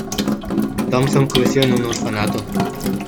Thomson creció en un orfanato.